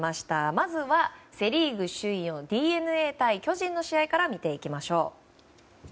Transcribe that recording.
まずは、セ・リーグ首位ＤＮＡ対巨人の試合から見ていきましょう。